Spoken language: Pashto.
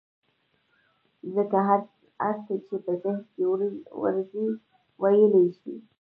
ځکه هر څه چې په ذهن کې ورځي ويلى يې شي.